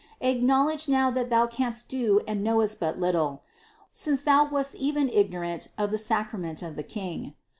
Acknowledge now that thou canst do and knowest but little, since thou wast even ignorant of the sacrament of the King.